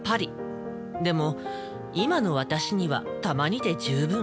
でも今の私にはたまにで十分。